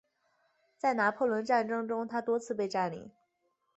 在拿破仑战争中它多次被占领。